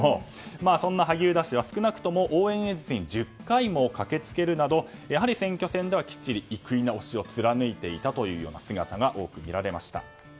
そんな萩生田氏は少なくとも応援演説で１０回も駆け付けるなど選挙戦では、しっかり生稲推しを貫いていたという姿が多く見られました。